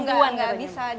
enggak sih itu enggak bisa